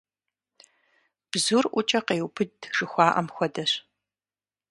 Бзур ӀукӀэ къеубыд, жыхуаӀэм хуэдэщ.